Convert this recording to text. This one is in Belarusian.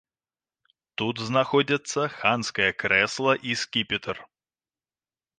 Тут знаходзяцца ханскае крэсла і скіпетр.